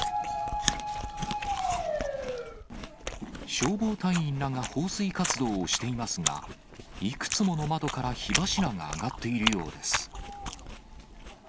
消防隊員らが放水活動をしていますが、いくつもの窓から火柱が上がっているようです。